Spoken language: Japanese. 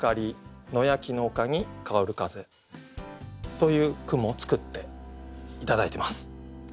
という句も作って頂いてます。